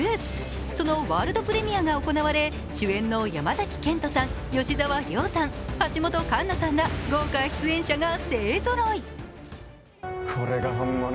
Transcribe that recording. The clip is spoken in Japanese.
そのワールドプレミアが行われ、主演の山崎賢人さん、吉沢亮さん、橋本環奈さんら豪華出演者が勢ぞろい。